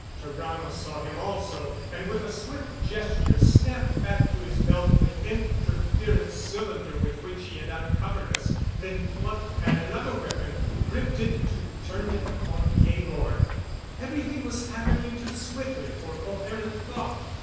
Tarrano saw him also; and with a swift gesture snapped back to his belt the interference cylinder with which he had uncovered us; then plucked at another weapon, gripped it to turn it upon Georg. Everything was happening too swiftly for coherent thought.